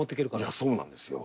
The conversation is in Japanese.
いやそうなんですよ。